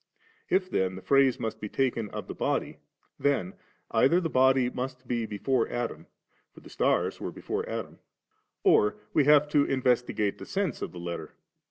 If then the phrase must be taken of the body, then either the body must be before Adam, for the stars were before Adam, or we have to investigate the sense of the letter.